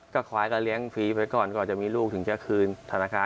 ก็ควายก็เลี้ยงฟรีไปก่อนก่อนจะมีลูกถึงจะคืนธนาคาร